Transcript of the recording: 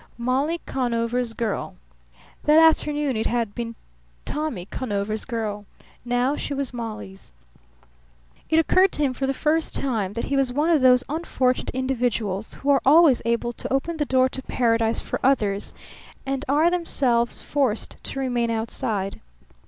Molly Conover's girl! That afternoon it had been Tommy Conover's girl; now she was Molly's. It occurred to him for the first time that he was one of those unfortunate individuals who are always able to open the door to Paradise for others and are themselves forced to remain outside.